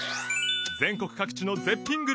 全国各地の絶品グルメや感動